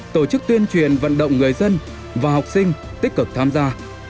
tổ chức tuyên truyền vận động người dân và học sinh tích cực tham gia